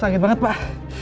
sakit banget pak